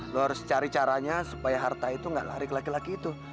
lo harus cari caranya supaya harta itu gak lari ke laki laki itu